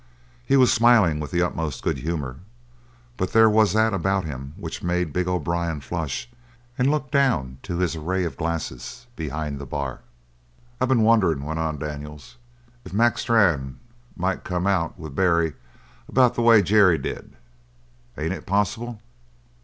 He was smiling with the utmost good humour, but there was that about him which made big O'Brien flush and look down to his array of glasses behind the bar. "I been wondering," went on Daniels, "if Mac Strann mightn't come out with Barry about the way Jerry did. Ain't it possible?"